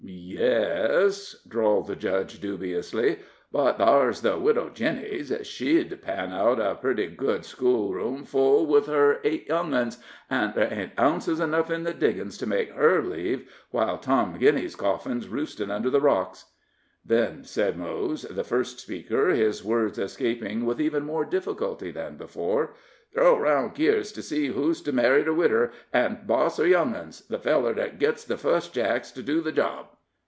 "Ye es," drawled the judge, dubiously; "but thar's the Widder Ginneys she'd pan out a pretty good schoolroom full with her eight young uns, an' there ain't ounces enough in the diggin's to make her leave while Tom Ginneys's coffin's roostin' under the rocks." "Then," said Mose, the first speaker, his words escaping with even more difficulty than before, "throw around keards to see who's to marry the widder, an' boss her young uns. The feller that gits the fust Jack's to do the job."